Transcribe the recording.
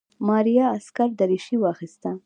ماريا عسکري دريشي واخيسته.